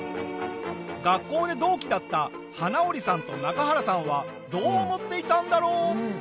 学校で同期だった花織さんと中原さんはどう思っていたんだろう？